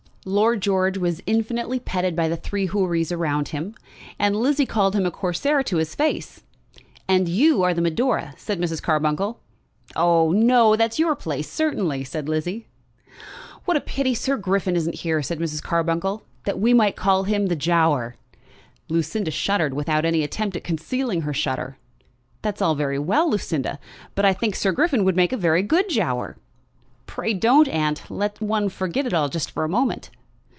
Lord George was infinitely petted by the three Houris around him, and Lizzie called him a Corsair to his face. "And you are the Medora," said Mrs. Carbuncle. "Oh no. That is your place, certainly," said Lizzie. "What a pity Sir Griffin isn't here," said Mrs. Carbuncle, "that we might call him the Giaour." Lucinda shuddered, without any attempt at concealing her shudder. "That's all very well, Lucinda, but I think Sir Griffin would make a very good Giaour." "Pray don't, aunt. Let one forget it all just for a moment."